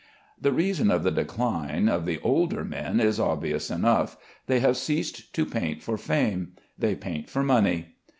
The reason of the decline of the older men is obvious enough. They have ceased to paint for fame; they paint for money.